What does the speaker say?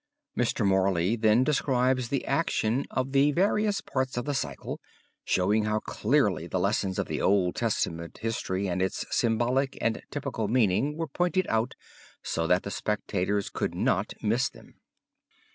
Mr. Morley then describes the action of the various parts of the cycle, showing how clearly the lessons of the Old Testament history and its symbolic and typical meaning were pointed out so that the spectators could not miss them.